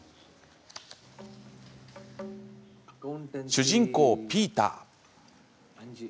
主人公、ピーター。